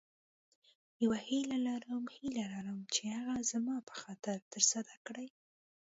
یوه هیله لرم هیله لرم چې هغه زما په خاطر تر سره کړې.